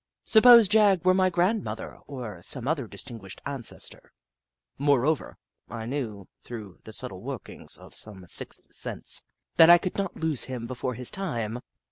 Suppose Jagg were my grandmother, or some other distinguished ancestor ? Moreover, I knew, through the subtle workings of some sixth sense, that I could not lose him before his time.